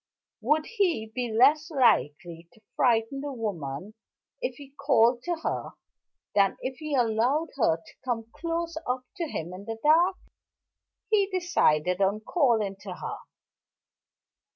Would he be less likely to frighten the woman if he called to her than if he allowed her to come close up to him in the dark? He decided on calling to her.